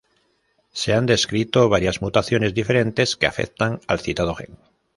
Se han descrito varias mutaciones diferentes que afectan al citado gen.